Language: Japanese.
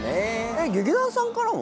えっ劇団さんからも？